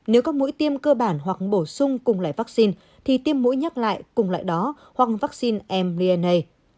nếu có mũi tiêm cơ bản hoặc bổ sung cùng loại vắc xin thì tiêm mũi nhắc lại cùng loại đó hoặc vắc xin mrna